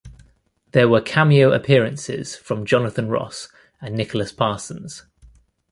There were cameo appearances from Jonathan Ross and Nicholas Parsons.